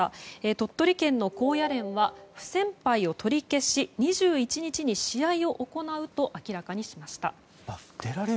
鳥取県の高野連は不戦敗を取り消し２１日に試合を行うと明らかにしました。